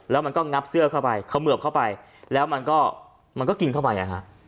แล้วมันก็งับเสื้อเข้าไปเขมือบเข้าไปแล้วมันก็มันก็กินเข้าไปไงฮะ